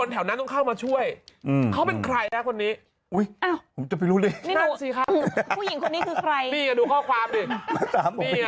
แต่ชอบไปครับ